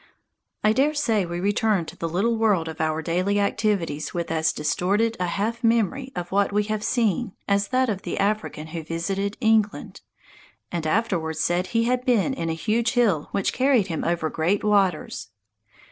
I daresay we return to the little world of our daily activities with as distorted a half memory of what we have seen as that of the African who visited England, and afterwards said he had been in a huge hill which carried him over great waters.